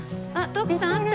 徳さんあった。